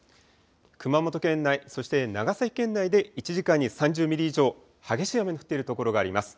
熊本県内、そして長崎県内で１時間に３０ミリ以上、激しい雨の降っている所があります。